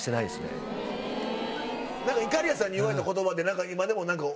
いかりやさんに言われた言葉で。